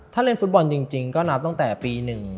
ถ้าเล่นฟุตบอลจริงก็นับตั้งแต่ปี๑